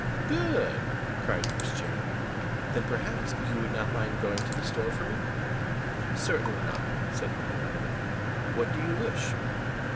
"Good!" cried Nurse Jane. "Then perhaps you would not mind going to the store for me." "Certainly not," spoke Uncle Wiggily. "What do you wish?"